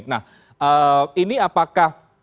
nah ini apakah